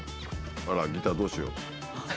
あらギターどうしよう？